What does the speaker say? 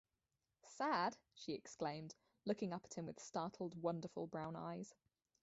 “Sad!” she exclaimed, looking up at him with startled, wonderful brown eyes.